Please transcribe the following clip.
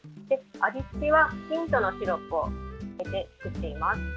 味付けはミントのシロップを入れて作っています。